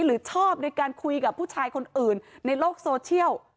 หรือชอบในการคุยกับผู้ชายคนอื่นในโลกโซเชียล